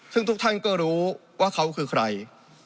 ซึ่งทุกท่านก็รู้ว่าเขาคือใคร